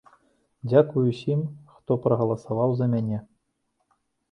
Дзякуй усім, хто прагаласаваў за мяне.